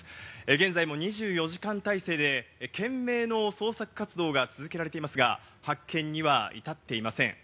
現在も２４時間体制で懸命の捜索活動が続けられていますが、発見には至っていません。